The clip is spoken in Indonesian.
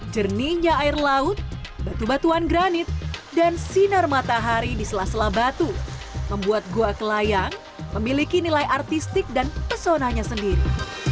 jernihnya air laut batu batuan granit dan sinar matahari di sela sela batu membuat gua kelayang memiliki nilai artistik dan pesonanya sendiri